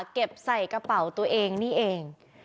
เก็บใส่กระเป๋าตัวเองนี่เอง